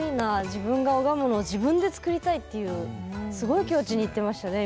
自分が拝むものを自分で作りたいっていうすごい境地にいってましたね。